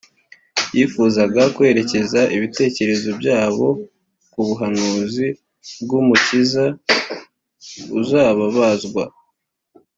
Yifuzaga kwerekeza ibitekerezo byabo ku buhanuzi bw’Umukiza uzababazwa